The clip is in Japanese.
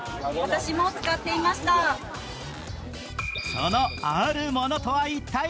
その、あるものとは一体？